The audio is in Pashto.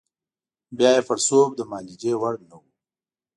بیا یې پړسوب د معالجې وړ نه وو.